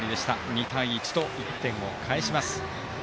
２対１と１点を返します。